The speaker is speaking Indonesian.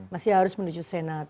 masih harus menuju senat